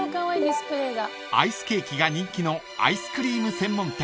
［アイスケーキが人気のアイスクリーム専門店］